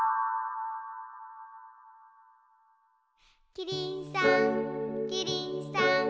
キリンさんキリンさん